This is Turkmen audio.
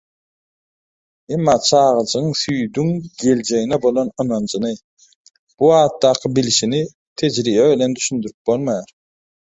Emma çagajygyň süýdüň geljegine bolan ynanjyny, bu babatdaky bilişini tejribe bilen düşündirip bolmaýar.